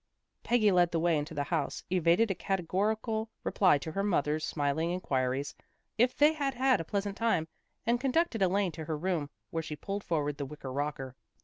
Peggy led the way into the house, evaded a categorical reply to her mother's smiling inquiries if they had had a pleasant time, and conducted Elaine to her room, where she pulled forward the wicker rocker.